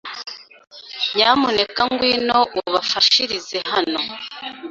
Nyamuneka ngwino ubafashirize hano